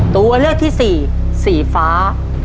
ตัวเลือกที่สี่สีฟ้า